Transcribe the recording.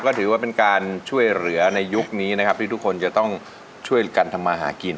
ก็ถือว่าเป็นการช่วยเหลือในยุคนี้นะครับที่ทุกคนจะต้องช่วยกันทำมาหากิน